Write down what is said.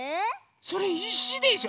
それいしでしょ？